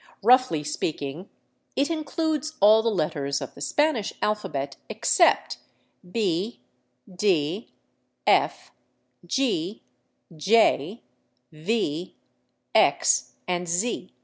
Roughly speaking, it includes all the letters of the Spanish alphabet except b, d, f, g, j, v, x, and z.